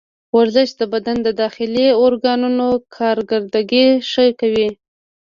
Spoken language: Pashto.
ورزش د بدن د داخلي ارګانونو کارکردګي ښه کوي.